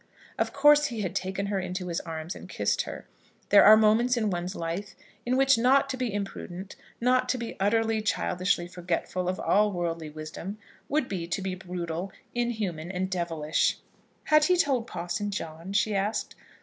Of course he had taken her in his arms and kissed her. There are moments in one's life in which not to be imprudent, not to be utterly, childishly forgetful of all worldly wisdom, would be to be brutal, inhuman, and devilish. "Had he told Parson John?" she asked.